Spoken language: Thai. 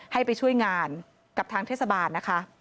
ให้ไปช่วยงานกับทางเทศบาลนะคะ